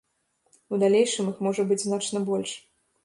У далейшым іх можа быць значна больш.